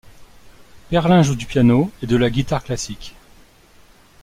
Perlin joue du piano et de la guitare classique.